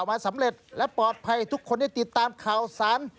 สำเร็จและปลอดภัยทุกคนได้ติดตามข่าวสาร